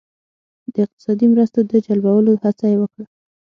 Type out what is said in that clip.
د اقتصادي مرستو د جلبولو هڅه یې وکړه.